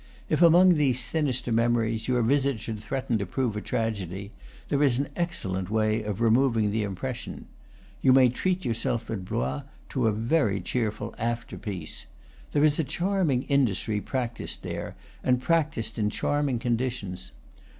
If among these sinister memories your visit should threaten to prove a tragedy, there is an excellent way of removing the impression. You may treat yourself at Blois to a very cheerful afterpiece. There is a charming industry practised there, and practised in charming conditions.